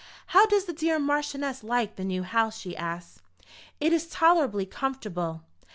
"How does the dear Marchioness like the new house?" she asked. "It is tolerably comfortable."